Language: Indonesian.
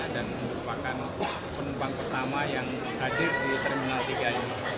dan merupakan penumpang pertama yang hadir di terminal tiga ini